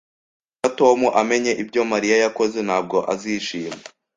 Niba Tom amenye ibyo Mariya yakoze, ntabwo azishima